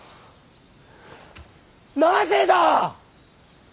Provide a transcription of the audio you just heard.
なぜだ！